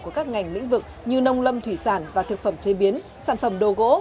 của các ngành lĩnh vực như nông lâm thủy sản và thực phẩm chế biến sản phẩm đồ gỗ